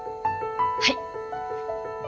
はい！